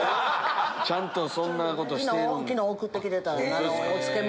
ちゃんとそんなことしてんねや。